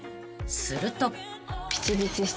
［すると］